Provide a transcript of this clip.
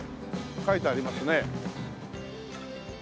書いてありますね。